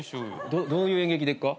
どういう演劇でっか？